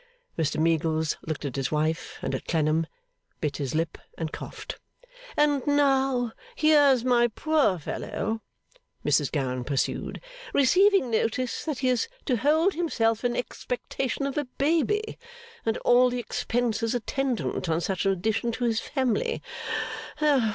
Mr Meagles looked at his wife and at Clennam; bit his lip; and coughed. 'And now here's my poor fellow,' Mrs Gowan pursued, 'receiving notice that he is to hold himself in expectation of a baby, and all the expenses attendant on such an addition to his family!